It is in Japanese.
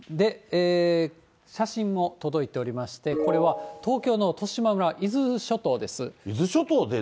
写真も届いておりまして、これは東京の利島村、伊豆諸島です。